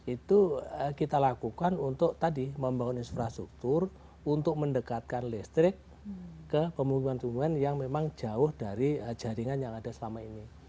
itu kita lakukan untuk tadi membangun infrastruktur untuk mendekatkan listrik ke pembangunan perhubungan yang memang jauh dari jaringan yang ada selama ini